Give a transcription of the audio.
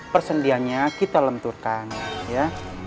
persendiannya kita lenturkan ya